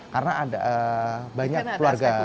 karena ada banyak keluarga